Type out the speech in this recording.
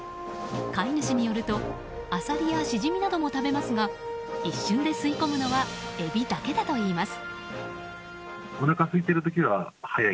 飼い主によるとアサリやシジミなども食べますが一瞬で吸い込むのはエビだけだといいます。